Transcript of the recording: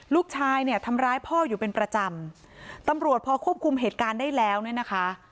ลูกชายเนี่ยทำร้ายพ่ออยู่เป็นประจำตำรวจพอควบคุมเหตุการณ์ได้แล้วเนี่ยนะคะ